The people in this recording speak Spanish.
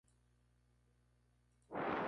Asimismo, fue en dos ocasiones.